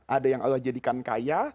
ada yang allah jadikan kaya